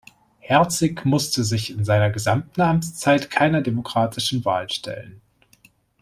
Herzig musste sich in seiner gesamten Amtszeit keiner demokratischen Wahl stellen.